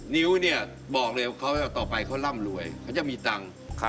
นิ้วเนี่ยบอกเลยว่าต่อไปเขาร่ำรวยเขาจะมีตังค์